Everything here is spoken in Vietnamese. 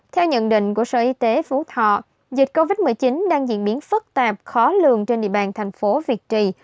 theo nhận định của sở y tế phú thọ dịch covid một mươi chín đang diễn biến phức tạp khó lường trên địa bàn thành phố việt trì